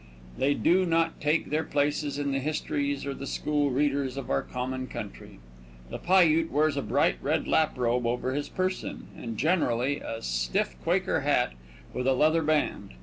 They do not take their places in the histories or the school readers of our common country. The Piute wears a bright red lap robe over his person, and generally a stiff Quaker hat, with a leather band.